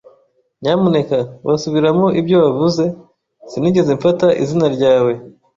Nyamuneka wasubiramo ibyo wavuze? Sinigeze mfata izina ryawe.